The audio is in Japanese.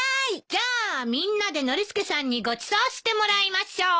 じゃあみんなでノリスケさんにごちそうしてもらいましょう。